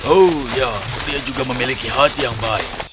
oh ya dia juga memiliki hati yang baik